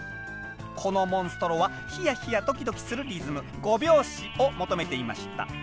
このモンストロはヒヤヒヤドキドキするリズム５拍子を求めていました。